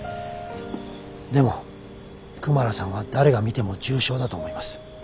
でもクマラさんは誰が見ても重症だと思います。